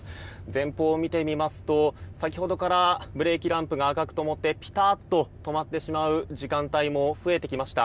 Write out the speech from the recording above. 前方を見てみますと、先ほどからブレーキランプが赤くともってピタッと止まってしまう時間帯も増えてきました。